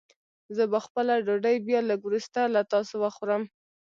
زه به خپله ډوډۍ بيا لږ وروسته له تاسو وخورم.